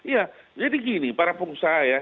ya jadi gini para pengusaha ya